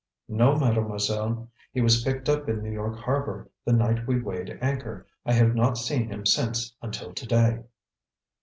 "No, Mademoiselle. He was picked up in New York harbor, the night we weighed anchor. I have not seen him since until to day."